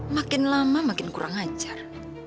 makin lama makin kurang lancar